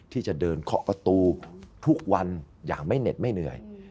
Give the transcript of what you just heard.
ที่จะเดินเคาะประตูทุกวันอย่างไม่เหน็ดไม่เหนื่อย